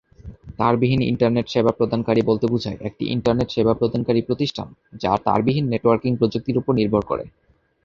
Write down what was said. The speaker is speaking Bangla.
তারবিহীন ইন্টারনেট সেবা প্রদানকারী বলতে বুঝায়, একটি ইন্টারনেট সেবা প্রদানকারী প্রতিষ্ঠান যা তারবিহীন নেটওয়ার্কিং প্রযুক্তির উপর নির্ভর করে।